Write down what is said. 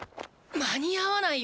間に合わないよ！